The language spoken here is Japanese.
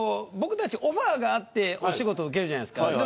僕たち、オファーがあってお仕事受けるじゃないですか。